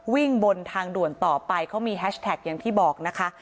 วิ่งบนทางด่วนต่อไปเขามีแฮชแท็กอย่างที่บอกนะคะ